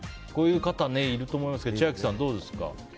こういう方いると思いますけど千秋さん、どうですか？